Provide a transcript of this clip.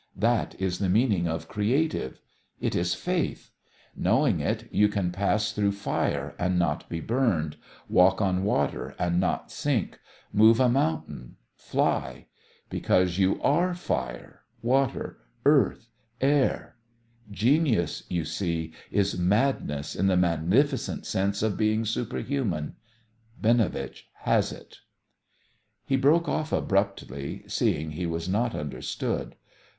That is the meaning of 'creative.' It is faith. Knowing it, you can pass through fire and not be burned, walk on water and not sink, move a mountain, fly. Because you are fire, water, earth, air. Genius, you see, is madness in the magnificent sense of being superhuman. Binovitch has it." He broke off abruptly, seeing he was not understood.